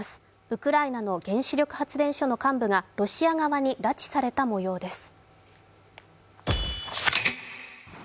ウクライナの原子力発電所の幹部がロシア側に拉致された模様です。